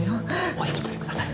お引き取りください。